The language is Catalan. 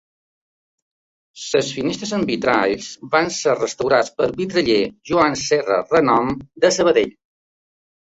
Les finestres amb vitralls van ser restaurats pel vitraller Joan Serra Renom, de Sabadell.